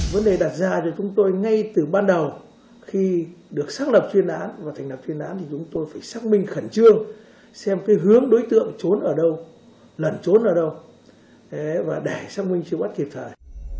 vấn đề đặt ra cho chúng tôi ngay từ ban đầu khi được xác lập chuyên án và thành lập chuyên án thì chúng tôi phải xác minh khẩn trương xem cái hướng đối tượng trốn ở đâu lẩn trốn ở đâu và để xác minh truy bắt kịp thời